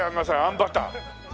あんバター。